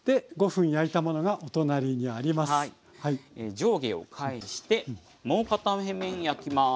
上下を返してもう片面焼きます。